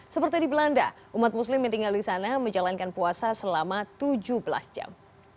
seperti di belanda umat muslim yang tinggal di sana menjalankan puasa selama tujuh belas jam